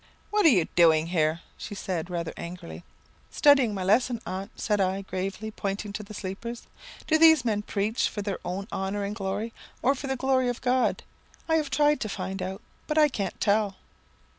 'What are you doing here?' she said, rather angrily. "'Studying my lesson, aunt,' said I, gravely, pointing to the sleepers. 'Do these men preach for their own honour and glory, or for the glory of God? I have tried to find out, but I can't tell.'